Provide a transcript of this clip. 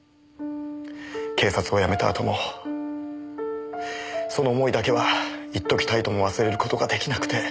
警察を辞めたあともその思いだけは一時たりとも忘れる事が出来なくて。